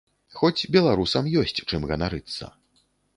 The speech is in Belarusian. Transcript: Хоць беларусам ёсць чым ганарыцца.